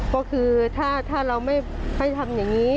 ก็คือถ้าเราไม่ให้ทำอย่างนี้